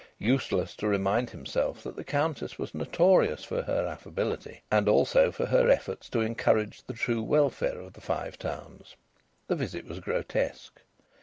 Useless to remind himself that the Countess was notorious for her affability and also for her efforts to encourage the true welfare of the Five Towns. The visit was grotesque.